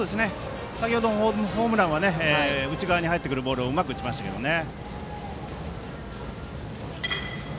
先程のホームランは内側に入ってくるボールをうまく打ちましたね。